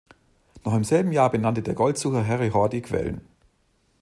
Noch im selben Jahr benannte der Goldsucher Harry Horr die Quellen.